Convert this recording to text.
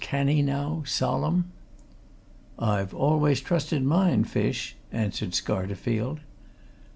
Can he now, solemn?" "I've always trusted mine, Fish," answered Scarterfield.